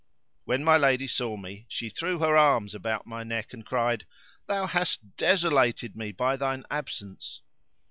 [FN#540] When my lady saw me she threw her arms about my neck, and cried, "Thou hast desolated me by thine absence."